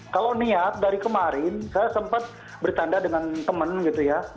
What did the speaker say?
kalau niat dari kemarin saya sempat bertanda dengan teman gitu ya